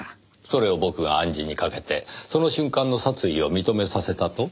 それを僕が暗示にかけてその瞬間の殺意を認めさせたと？